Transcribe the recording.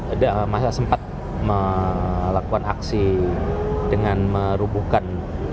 ada masa sempat melakukan aksi dengan merubuhkan